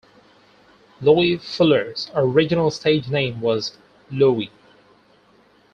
Loie Fuller's original stage name was "Louie".